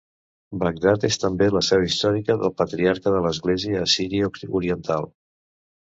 Bagdad és també la seu històrica del Patriarca de l'Església Assíria Oriental.